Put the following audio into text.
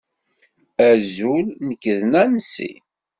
Azul, nekk d Nancy.